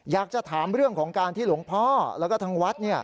อยากจะถามเรื่องของการที่หลวงพ่อแล้วก็ทางวัด